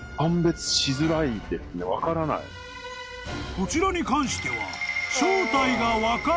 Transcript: ［こちらに関しては］